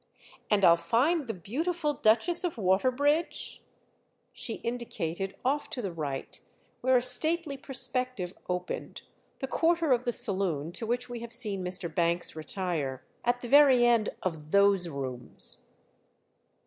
"And I'll find 'The Beautiful Duchess of Waterbridge'?" She indicated, off to the right, where a stately perspective opened, the quarter of the saloon to which we have seen Mr. Banks retire. "At the very end of those rooms."